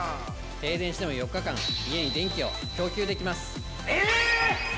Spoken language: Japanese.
停電しても４日間家に電気を供給できます！